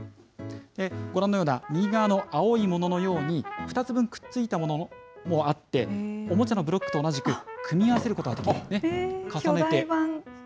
ご覧のような、右側の青いもののように、２つ分くっついたものもあって、おもちゃのブロックと同じく、組み合わせることができるんですね、重ねて。